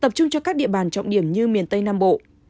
tập trung cho các địa bàn trọng điểm như miền tây nam bộ